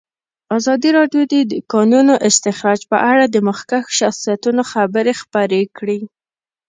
ازادي راډیو د د کانونو استخراج په اړه د مخکښو شخصیتونو خبرې خپرې کړي.